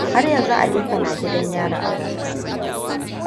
Har yanzu Aliko na gidan yari a Boston.